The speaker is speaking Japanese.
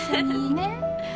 ねっ？